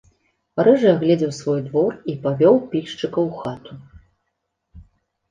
Рыжы агледзеў свой двор і павёў пільшчыкаў у хату.